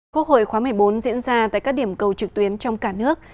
quốc hội khóa một mươi bốn diễn ra tại các điểm cầu trực tuyến trong cả nước